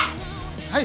はい。